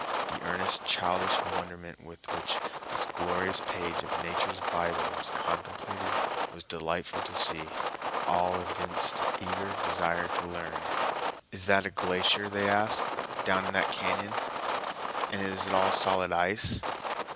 The earnest, childish wonderment with which this glorious page of Nature's Bible was contemplated was delightful to see. All evinced eager desire to learn. "Is that a glacier," they asked, "down in that cañon? And is it all solid ice?"